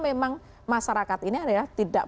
memang masyarakat ini adalah tidak